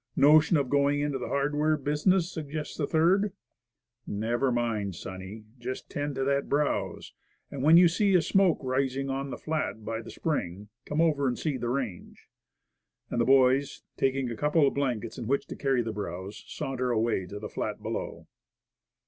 "Notion of going into the hardware business ?" sug gests a third. "Never mind, sonny; just 'tend to that browse, and when you see a smoke raising on the flat by the spring, come over and see the range." And the boys, taking a couple of blankets in which to carry the browse, saunter away to the flat below.